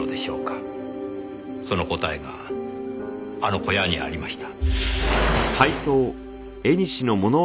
その答えがあの小屋にありました。